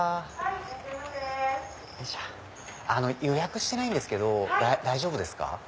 予約してないんですけど大丈夫ですか？